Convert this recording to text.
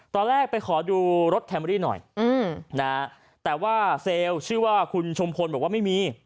ตอนแรกไปขอดูรถแคมอรี่หน่อยแต่ว่าเซลล์ชื่อว่าคุณชุมพลบอกว่าไม่มี